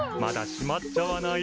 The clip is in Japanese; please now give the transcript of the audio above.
しまっちゃわない？